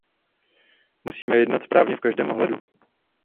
Musíme jednat správně v každém ohledu.